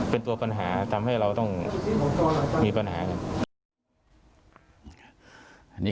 เป็นตัวปัญหาทำให้เราต้องมีปัญหากัน